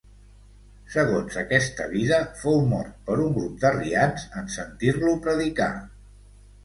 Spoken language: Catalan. Segons aquesta vida, fou mort per un grup d'arrians en sentir-lo predicar.